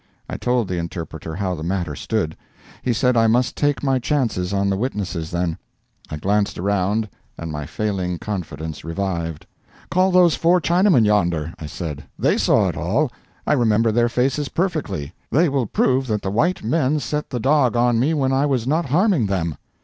I told the interpreter how the matter stood. He said I must take my chances on the witnesses then. I glanced around, and my failing confidence revived. "Call those four Chinamen yonder," I said. "They saw it all. I remember their faces perfectly. They will prove that the white men set the dog on me when I was not harming them."